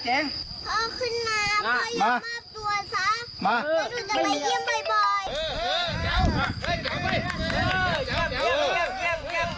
เออได้เย็นนะเรามาเนี่ย